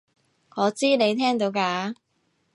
我知你聽到㗎